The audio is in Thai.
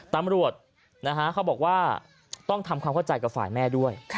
ตำรวจเขาบอกว่าต้องทำความเข้าใจกับฝ่ายแม่ด้วย